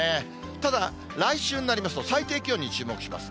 ただ、来週になりますと、最低気温に注目します。